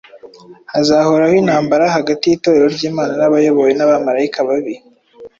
hazahoraho intambara hagati y’Itorero ry’Imana n’abayobowe n’abamarayika babi.